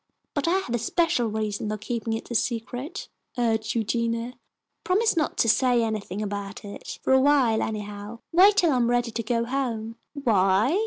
"But I have a special reason for keeping it a secret," urged Eugenia. "Promise not to say anything about it for awhile anyhow. Wait till I am ready to go home." "Why?"